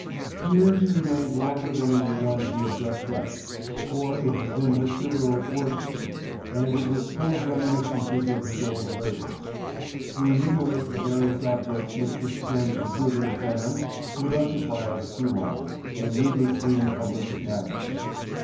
Here he remained longer than in the one he had just left; for it had been Mr. Earle's workroom and it was full of reminiscences of his old labors. To enumerate the various objects which this strange intruder examined would occupy us too long and needlessly encumber this narrative.